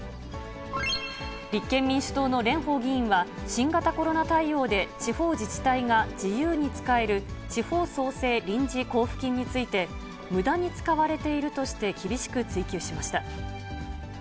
立憲民主党の蓮舫議員は、新型コロナ対応で地方自治体が自由に使える地方創生臨時交付金について、むだに使われているとして、厳しく追及しました。